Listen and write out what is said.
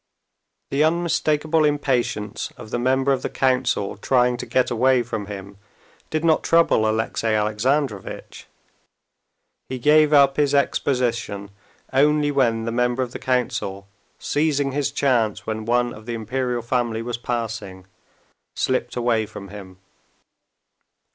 The unmistakable impatience of the member of the Council trying to get away from him did not trouble Alexey Alexandrovitch; he gave up his exposition only when the member of the Council, seizing his chance when one of the Imperial family was passing, slipped away from him.